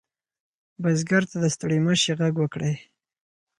بزګر ته د ستړي مشي غږ وکړئ.